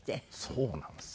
そうなんです。